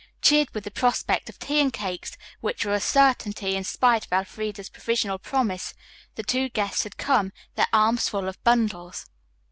Cheered with the prospect of tea and cakes, which were a certainty in spite of Elfreda's provisional promise, the two guests had come, their arms full of bundles.